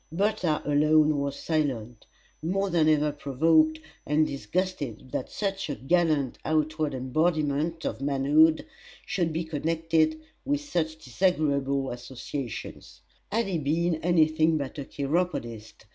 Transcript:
Bertha alone was silent, more than ever provoked and disgusted that such a gallant outward embodiment of manhood should be connected with such disagreeable associations! Had he been any thing but a chiropodist!